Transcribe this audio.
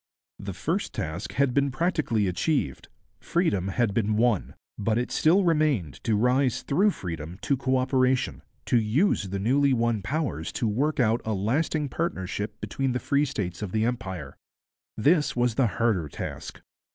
The first task had been practically achieved; freedom had been won; but it still remained to rise through freedom to co operation, to use the newly won powers to work out a lasting partnership between the free states of the Empire. This was the harder task.